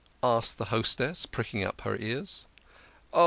asked the hostess, pricking up her ears.